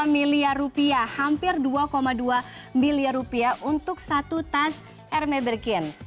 dua dua miliar rupiah hampir dua dua miliar rupiah untuk satu tas hermes birkin